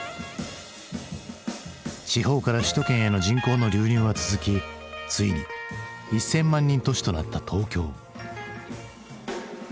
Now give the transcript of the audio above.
地方から首都圏への人口の流入は続きついに１，０００万人都市となった東京。